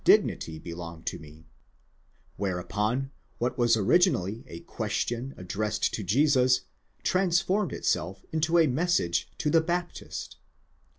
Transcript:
233 dignity belong tome ;" whereupon what was originally a question addressed to Jesus, transformed itself into a message to the Baptist.